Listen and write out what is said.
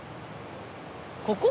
ここ？